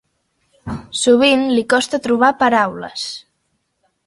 Sovint li costa trobar paraules.